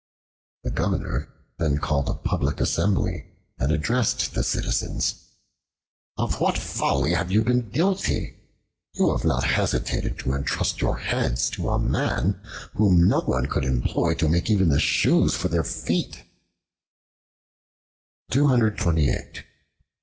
The Governor then called a public assembly and addressed the citizens: "Of what folly have you been guilty? You have not hesitated to entrust your heads to a man, whom no one could employ to make even the shoes for their feet."